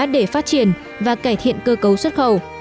để phát triển và cải thiện cơ cấu xuất khẩu